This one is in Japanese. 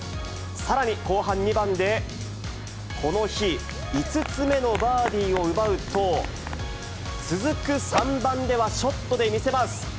さらに後半２番で、この日、５つ目のバーディーを奪うと、続く３番では、ショットで見せます。